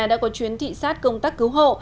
đã có chuyến thị sát công tác cứu hộ